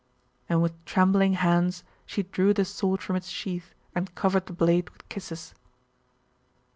And with trembling hands she drew the sword from its sheath and covered the blade with kisses.